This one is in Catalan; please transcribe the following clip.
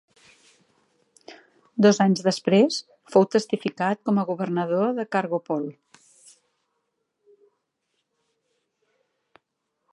Dos anys després, fou testificat com a governador de Kargopol.